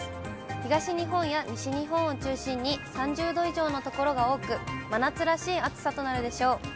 東日本や西日本を中心に、３０度以上の所が多く、真夏らしい暑さとなるでしょう。